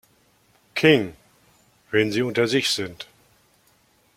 King“", wenn sie unter sich sind.